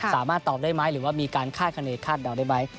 สามารถตอบได้ไหมหรือว่ามีการคาดคณีคาดเดาได้ไหม